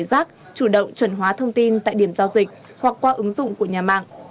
giác chủ động chuẩn hóa thông tin tại điểm giao dịch hoặc qua ứng dụng của nhà mạng